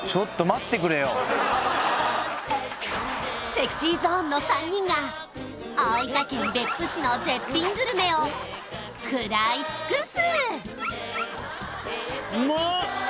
ＳｅｘｙＺｏｎｅの３人が大分県別府市の絶品グルメを食らい尽くす！